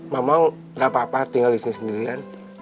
mamang gak apa apa tinggal disini sendirian